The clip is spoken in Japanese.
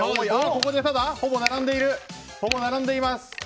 ここでほぼ並んでいます。